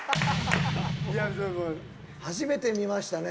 初めて見ましたね。